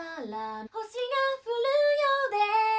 「星が降るようで」